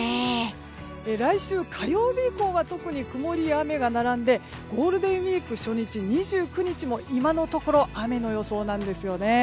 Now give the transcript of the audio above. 来週火曜日以降が特に曇りや雨が並んでゴールデンウィーク初日２９日も今のところ雨の予想なんです。